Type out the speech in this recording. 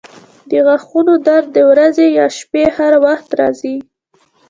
د غاښونو درد د ورځې یا شپې هر وخت راځي.